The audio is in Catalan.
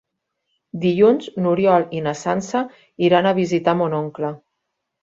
Dilluns n'Oriol i na Sança iran a visitar mon oncle.